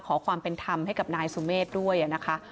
ขอความเป็นธรรมให้กับนายสุเมฆด้วยนะคะ